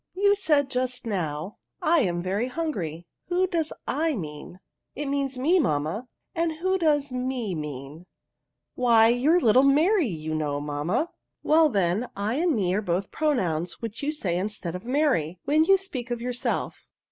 You said just now, ' I am very hungry/ who does / mean ?"" It means me, mamma." " And who does me mean ?"" Why, your little Mary, you know, mamma." " Well, then, /and me are both pronouns which you say, instead of Mary, when you speak of yourself.